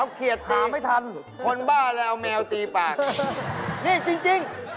ไม่ใช่มันมันใจไปหอ